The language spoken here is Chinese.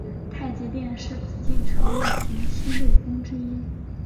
太极殿是紫禁城内廷西六宫之一。